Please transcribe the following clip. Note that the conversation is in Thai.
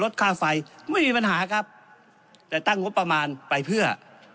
ค่าไฟไม่มีปัญหาครับแต่ตั้งงบประมาณไปเพื่อ